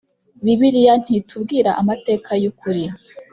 bibiliya ntitubwira amateka y ukuri